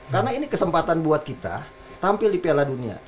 karena ini kesempatan buat kita tampil di piala dunia